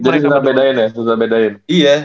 jadi senang bedain ya